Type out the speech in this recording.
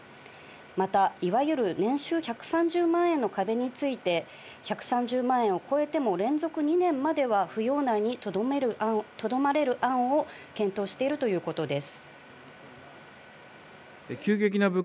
また、いわゆる年収１３０万円の壁について１３０万円を超えても、連続２年までは扶養内にとどまれる案を検討しているということです。